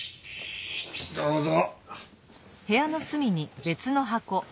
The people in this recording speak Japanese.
どうぞ。